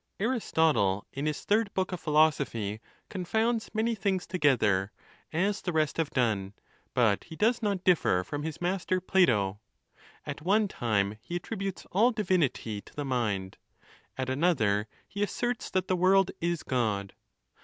Aristotle, in his third book of Philosophy, confounds many things together, as the rest have done ; but he does not differ from his master Plato. At one time he attrib utes all divinity to the mind, at another he asserts that the world is God.